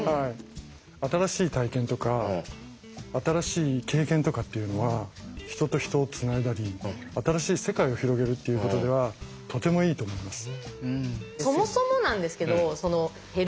新しい体験とか新しい経験とかっていうのは人と人をつないだり新しい世界を広げるっていうことではとてもいいと思います。